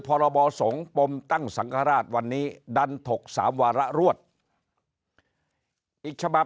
พรบสงฆ์ปมตั้งสังฆราชวันนี้ดันถกสามวาระรวดอีกฉบับ